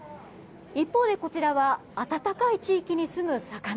一方で、こちらは暖かい地域にすむ魚。